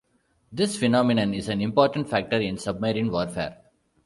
This phenomenon is an important factor in submarine warfare.